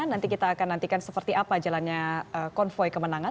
nanti kita akan nantikan seperti apa jalannya konvoy kemenangan